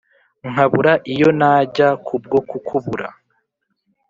nkabura iyo najya kubwo kukubura